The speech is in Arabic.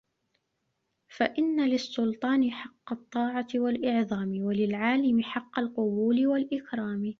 فَإِنَّ لِلسُّلْطَانِ حَقَّ الطَّاعَةِ وَالْإِعْظَامِ ، وَلِلْعَالِمِ حَقَّ الْقَبُولِ وَالْإِكْرَامِ